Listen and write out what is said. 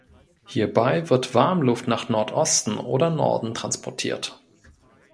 Hierbei wird Warmluft nach Nordosten oder Norden transportiert.